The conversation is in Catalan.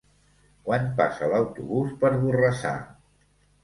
Quan passa l'autobús per Borrassà?